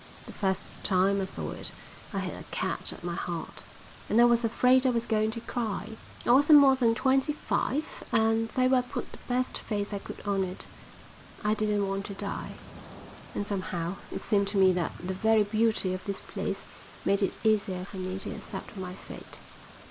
The first time I saw it I had a catch at my heart, and I was afraid I was going to cry. I wasn't more than twenty five, and though I put the best face I could on it, I didn't want to die. And somehow it seemed to me that the very beauty of this place made it easier for me to accept my fate.